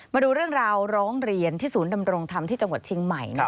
มาดูเรื่องราวร้องเรียนที่ศูนย์ดำรงธรรมที่จังหวัดเชียงใหม่